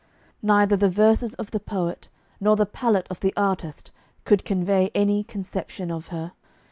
Neither the verses of the poet nor the palette of the artist could convey any conception of her.